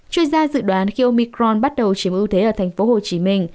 chuyên gia dự đoán khi omicron bắt đầu chiếm ưu thế ở tp hcm